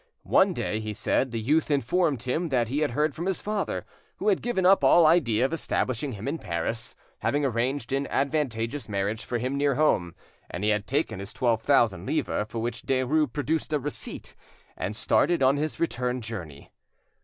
One day, he said, the youth informed him that he had heard from his father, who had given up all idea of establishing him in Paris, having arranged an advantageous marriage for him near home; and he had taken his twelve thousand livres, for which Derues produced a receipt, and started on his return journey.